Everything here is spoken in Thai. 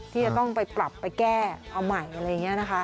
ที่จะต้องไปปรับไปแก้เอาใหม่อะไรอย่างนี้นะคะ